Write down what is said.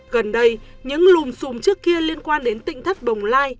gần đây những lùm xùm trước kia liên quan đến tịnh thất bồng lai